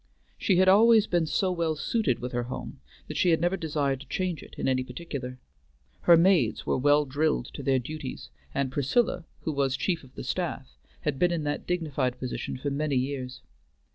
She had always been so well suited with her home that she had never desired to change it in any particular. Her maids were well drilled to their duties, and Priscilla, who was chief of the staff, had been in that dignified position for many years.